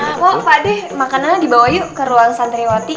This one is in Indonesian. pak deh makanannya dibawa yuk ke ruang santriwati